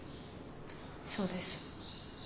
そうです。